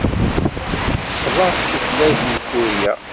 Ḥeffḍeɣ tutlayt n Kurya.